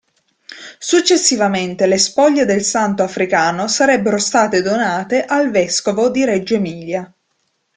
Successivamente le spoglie del santo africano sarebbero state donate al vescovo di Reggio Emilia.